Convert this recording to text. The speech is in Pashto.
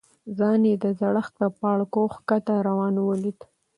ځان یې د زړښت په پاړکو ښکته روان ولید.